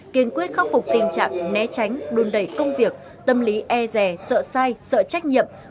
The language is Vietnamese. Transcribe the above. kiên quyết khắc phục tình trạng né tránh đun đẩy công việc tâm lý e rè sợ sai sợ trách nhiệm